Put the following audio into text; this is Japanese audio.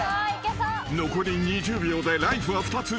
［残り２０秒でライフは２つ。